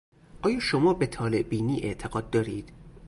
آیا شما به طالعبینی اعتقاد دارید؟